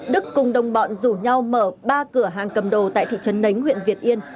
đức cùng đồng bọn rủ nhau mở ba cửa hàng cầm đồ tại thị trấn nánh huyện việt yên